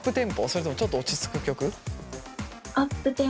それともちょっと落ち着く曲？